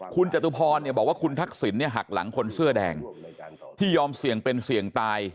คุณจตุพรบอกว่าคุณทักษิณเนี่ยหักหลังคนเสื้อแดงที่ยอมเสี่ยงเป็นเสี่ยงตาย